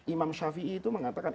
imam shafi'i itu mengatakan